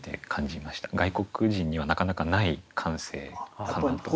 外国人にはなかなかない感性かなと。